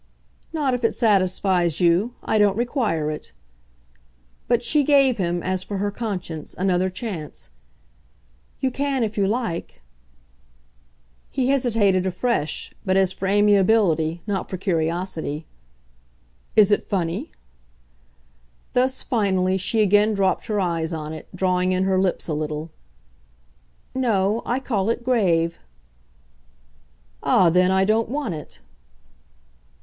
"Not if it satisfies you. I don't require it." But she gave him, as for her conscience, another chance. "You can if you like." He hesitated afresh, but as for amiability, not for curiosity. "Is it funny?" Thus, finally, she again dropped her eyes on it, drawing in her lips a little. "No I call it grave." "Ah, then, I don't want it."